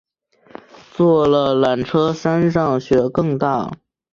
坐了缆车山上雪更大